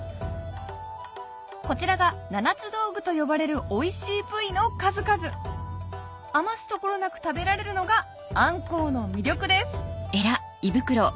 こちらが七つ道具と呼ばれるおいしい部位の数々余す所なく食べられるのがあんこうの魅力です